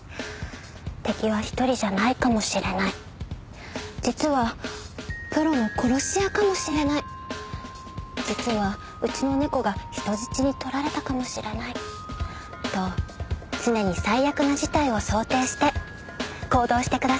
敵は一人じゃないかもしれない実はプロの殺し屋かもしれない実はうちの猫が人質に取られたかもしれないと常に最悪な事態を想定して行動してくださいね。